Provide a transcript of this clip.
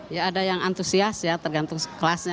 ya ada yang antusias ya tergantung kelasnya